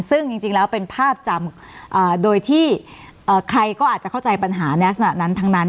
ซึ่งจริงแล้วเป็นภาพจำโดยที่ใครก็อาจจะเข้าใจปัญหาในลักษณะนั้นทั้งนั้น